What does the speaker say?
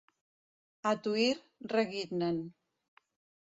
A Tuïr, reguitnen.